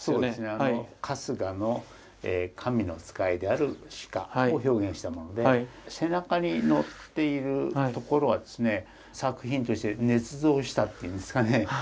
春日の神の使いである鹿を表現したもので背中にのっているところはですね作品として捏造したっていうんですかね。